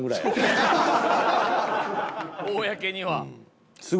公には。